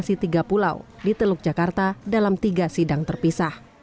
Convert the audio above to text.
di tiga pulau di teluk jakarta dalam tiga sidang terpisah